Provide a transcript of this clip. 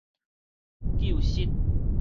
究實